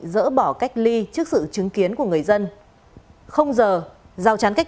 dỡ bỏ cách ly trước sự chứng kiến của người dân